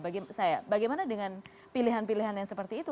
bagaimana dengan pilihan pilihan yang seperti itu